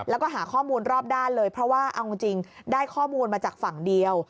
แล้วก็หาข้อมูลรอบด้านเลยเพราะว่าเอาจริงได้ข้อมูลมาจากฝั่งเดียว